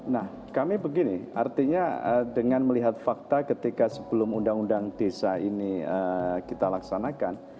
nah kami begini artinya dengan melihat fakta ketika sebelum undang undang desa ini kita laksanakan